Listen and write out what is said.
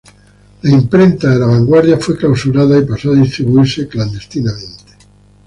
La imprenta de "La Vanguardia" fue clausurada y pasó a distribuirse clandestinamente.